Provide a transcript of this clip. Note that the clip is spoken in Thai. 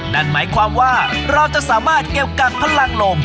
นั่นหมายความว่าเราจะสามารถเก็บกัดพลังลม